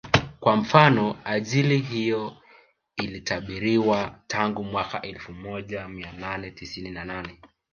Kwa mfano ajali hiyo ilitabiriwa tangu mwaka elfu moja mia nane tisini na nane